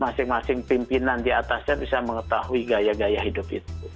masing masing pimpinan diatasnya bisa mengetahui gaya gaya hidup itu